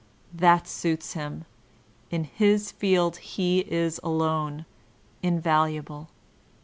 That suits him; m his field he is alone, invaluable.